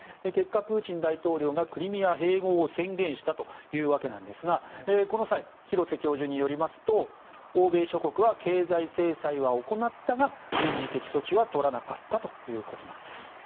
結果、プーチン大統領がクリミア併合を宣言したということなんですがこの際、廣瀬教授によりますと欧米諸国は経済制裁は行ったが軍事的措置は取らなかったということなんです。